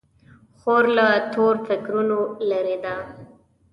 خور له تور فکرونو لیرې ده.